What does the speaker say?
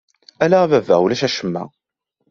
Ala a baba ulac acemma!